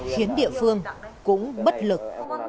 khiến địa phương cũng bất lực